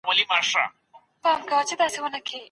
آیا څوک ښځه له فرضو څخه منع کولای سي؟